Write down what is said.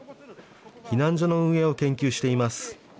避難所の運営を研究しています。